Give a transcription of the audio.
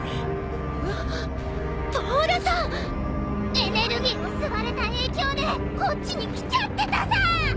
エネルギーを吸われた影響でこっちに来ちゃってたさ！